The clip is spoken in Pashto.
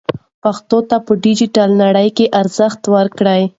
پښتو ته په ډیجیټل نړۍ کې ارزښت ورکړئ.